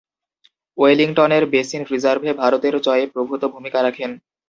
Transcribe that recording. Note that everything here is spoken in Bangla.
ওয়েলিংটনের বেসিন রিজার্ভে ভারতের জয়ে প্রভূতঃ ভূমিকা রাখেন।